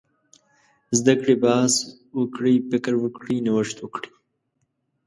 زده کړي، بحث وکړي، فکر وکړي، نوښت وکړي.